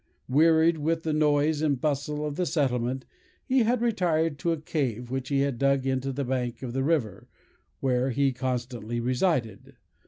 Wearied with the noise and bustle of the settlement, he had retired to a cave, which he had dug into the bank of the river, where he constantly resided.